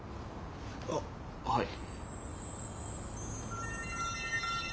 あっはい。